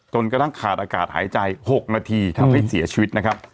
กระทั่งขาดอากาศหายใจ๖นาทีทำให้เสียชีวิตนะครับ